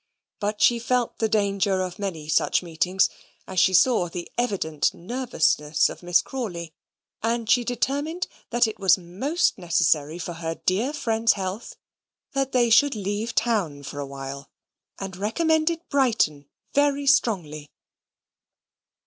But she felt the danger of many such meetings, as she saw the evident nervousness of Miss Crawley; and she determined that it was most necessary for her dear friend's health, that they should leave town for a while, and recommended Brighton very strongly.